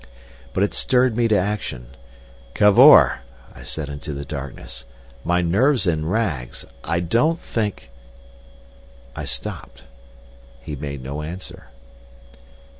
But it stirred me to action. "Cavor!" I said into the darkness, "my nerve's in rags. I don't think—" I stopped. He made no answer.